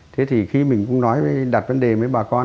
thế thì khi mình cũng nói mới đặt vấn đề với bà con